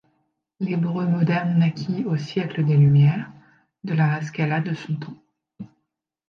L'hébreu moderne naquit au siècle des Lumières, de la Haskalah de son temps.